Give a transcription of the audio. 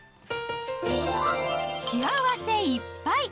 幸せいっぱい！